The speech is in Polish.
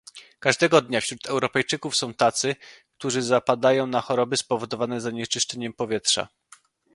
Każdego dnia wśród Europejczyków są tacy, którzy zapadają na choroby spowodowane zanieczyszczeniem powietrza